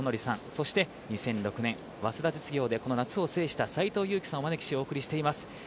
そして早稲田実業でこの夏を制した斎藤佑樹さんをお招きしお送りしています。